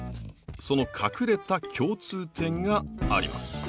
その隠れた共通点があります。